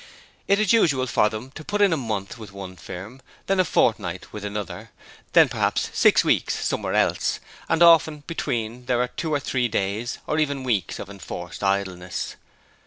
It is usual for them to put in a month with one firm, then a fortnight with another, then perhaps six weeks somewhere else, and often between there are two or three days or even weeks of enforced idleness.